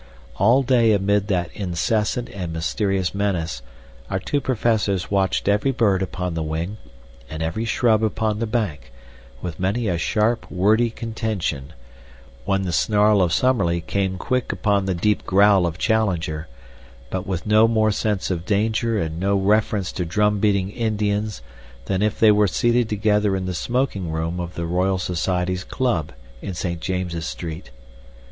All day amid that incessant and mysterious menace our two Professors watched every bird upon the wing, and every shrub upon the bank, with many a sharp wordy contention, when the snarl of Summerlee came quick upon the deep growl of Challenger, but with no more sense of danger and no more reference to drum beating Indians than if they were seated together in the smoking room of the Royal Society's Club in St. James's Street.